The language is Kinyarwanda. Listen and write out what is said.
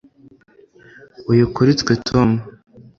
Uyu kuri twe Tom